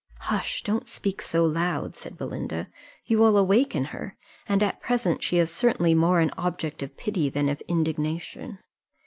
"Hush don't speak so loud," said Belinda, "you will awaken her; and at present she is certainly more an object of pity than of indignation.